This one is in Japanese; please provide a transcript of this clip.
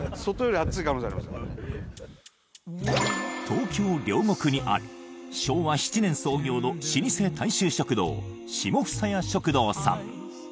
東京・両国にある昭和７年創業の老舗大衆食堂「下総屋食堂」さん。